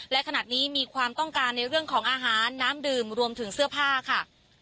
และขณะนี้มีความต้องการในเรื่องของอาหารน้ำดื่มรวมถึงเสื้อผ้าค่ะ